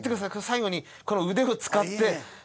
最後にこの腕を使ってそうです。